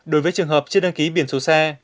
đối với trường hợp chưa đăng ký biển số xe